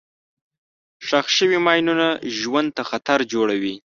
ښخ شوي ماینونه ژوند ته خطر جوړوي.